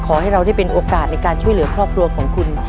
ขอให้เราได้เป็นโอกาสในการช่วยเหลือครอบครัวของคุณ